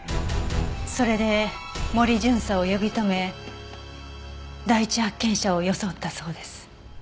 それで森巡査を呼び止め第一発見者を装ったそうです。